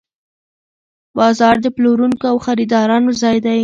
بازار د پلورونکو او خریدارانو ځای دی.